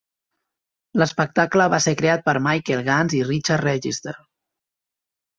L'espectacle va ser creat per Michael Gans i Richard Register.